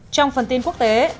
trong phần tin quốc tế